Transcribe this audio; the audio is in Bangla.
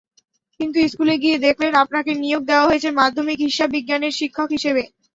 কিন্তু স্কুলে গিয়ে দেখলেন, আপনাকে নিয়োগ দেওয়া হয়েছে মাধ্যমিক হিসাববিজ্ঞানের শিক্ষক হিসেবে।